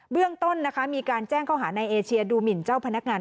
เรื่องต้นนะคะมีการแจ้งข้อหาในเอเชียดูหมินเจ้าพนักงาน